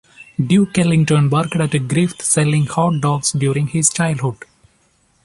Duke Ellington worked at Griffith selling hot dogs during his childhood.